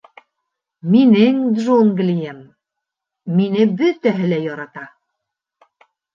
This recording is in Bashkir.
Минең — джунглийым, мине бөтәһе лә ярата.